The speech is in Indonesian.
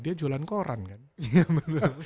dia jualan koran kan